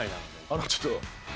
あのちょっと。